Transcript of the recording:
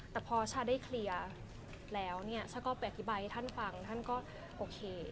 แต่พอชาได้เคลียร์แล้วเนี่ยชาก็ไปอธิบายให้ท่านฟังท่านก็โอเค